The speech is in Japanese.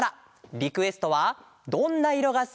リクエストは「どんな色がすき」です。